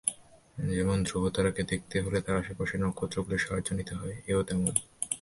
যেমন ধ্রুবতারাকে দেখাতে হলে তার আশপাশের নক্ষত্রগুলির সাহায্য নিতে হয়, এও তেমনি।